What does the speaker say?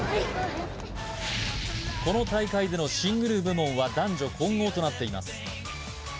この大会でのシングル部門は男女混合となっています